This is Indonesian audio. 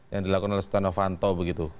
yang dilakukan oleh setia novanto begitu